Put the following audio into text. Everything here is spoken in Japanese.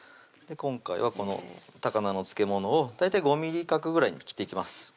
今回はこの高菜の漬物を大体５ｍｍ角ぐらいに切っていきます